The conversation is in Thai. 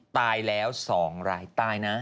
ตายแล้ว๒รายตายนะ